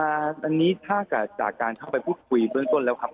อันนี้ถ้าการเข้าไปพูดคุยต้นแล้วครับ